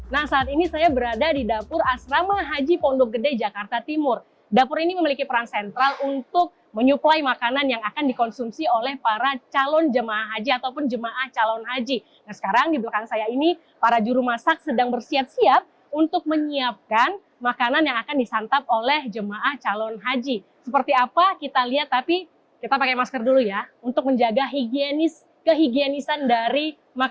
tapi kita pakai masker dulu ya untuk menjaga kehigienisan dari makanan yang akan mereka konsumsi